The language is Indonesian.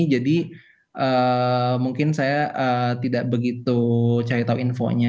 jadi mungkin saya tidak begitu cari tahu infonya